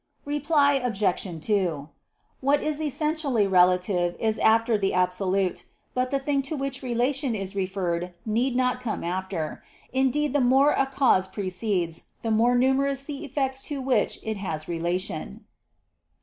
Reply Obj. 2: What is essentially relative is after the absolute; but the thing to which relation is referred need not come after. Indeed, the more a cause precedes, the more numerous the effects to which it has relation.